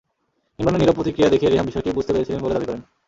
ইমরানের নীরব প্রতিক্রিয়া দেখে রেহাম বিষয়টি বুঝতে পেরেছিলেন বলে দাবি করেন।